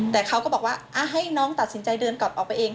แต่เขาก็บอกว่าให้น้องตัดสินใจเดินกลับออกไปเอง